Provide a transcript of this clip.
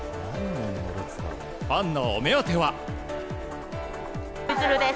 ファンのお目当ては。